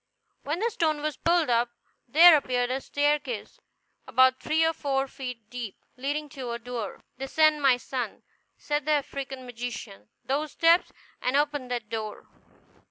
When the stone was pulled up, there appeared a staircase about three or four feet deep, leading to a door. "Descend, my son," said the African magician, "those steps, and open that door.